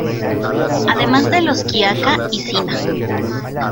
Además de los de Quiaca y Sina.